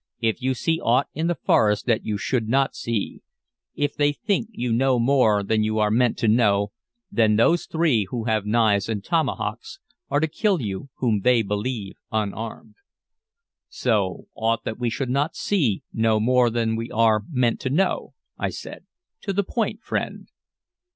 "If you see aught in the forest that you should not see, if they think you know more than you are meant to know, then those three, who have knives and tomahawks, are to kill you, whom they believe unarmed." "See aught that we should not see, know more than we are meant to know?" I said. "To the point, friend."